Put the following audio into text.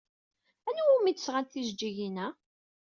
Anwa umi d-sɣant tijeǧǧigin-a?